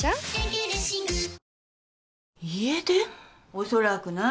おそらくな。